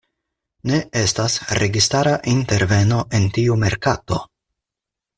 Ne estas registara interveno en tiu merkato.